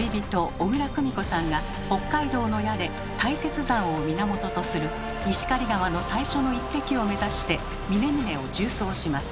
小椋久美子さんが北海道の屋根大雪山を源とする石狩川の最初の一滴を目指して峰々を縦走します。